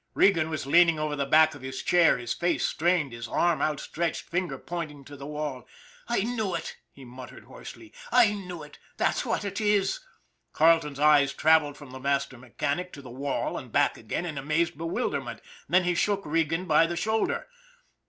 Regan was leaning over the back of his chair, his face strained, his arm outstretched, finger pointing to the wall. "I knew it," he muttered hoarsely. "I knew it. That's what it is." Carleton's eyes traveled from the master mechanic to the wall and back again in amazed bewilderment, then he shook Regan by the shoulder.